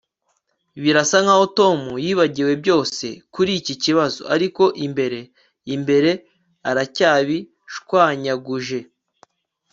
Birasa nkaho Tom yibagiwe byose kuri iki kibazo ariko imbere imbere aracyabishwanyaguje